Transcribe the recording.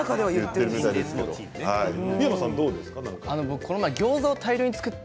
三山さん、どうですか？